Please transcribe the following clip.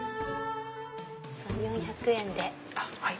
２４００円で。